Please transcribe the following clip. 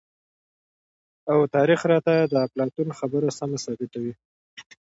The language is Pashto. او تاريخ راته د اپلاتون خبره سمه ثابته وي،